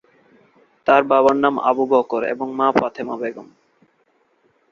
তার বাবার নাম আবু বকর এবং মা ফাতেমা বেগম।